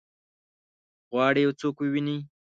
غواړي یو څوک وویني؟